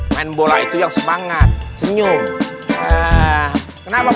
main bola yg sempengankan dan tren berencanamadr f stated out "